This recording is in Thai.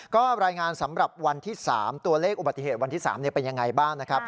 ก็รายงานสำหรับวันที่๓ตัวเลขอุบัติเหตุวันที่๓เป็นยังไงบ้างนะครับ